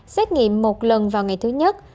xét nghiệm một lần vào ngày thứ nhất